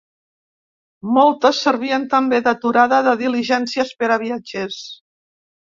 Moltes servien també d'aturada de diligències per a viatgers.